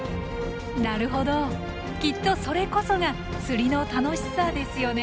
なるほどきっとそれこそが釣りの楽しさですよね！